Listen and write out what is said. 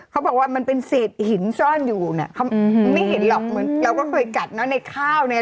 เขาบอกว่ามันเป็นเศษหินซ่อนอยู่เนี่ยเขาไม่เห็นหรอกเหมือนเราก็เคยกัดเนอะในข้าวเนี่ย